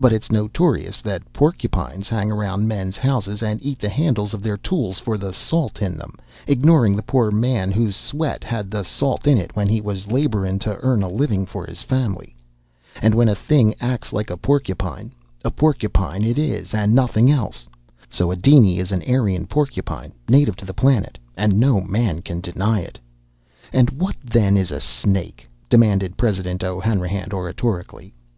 But it's notorious that porcupines hang around men's houses and eat the handles of their tools for the salt in them, ignoring' the poor man whose sweat had the salt in it when he was laborin' to earn a livin' for his family. And when a thing acts like a porcupine, a porcupine it is and nothing else! So a diny is a Eirean porcupine, native to the planet, and no man can deny it! "And what, then, is a snake?" demanded President O'Hanrahan oratorically.